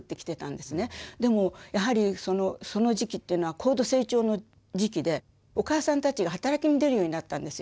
でもやはりその時期っていうのは高度成長の時期でお母さんたちが働きに出るようになったんですよ。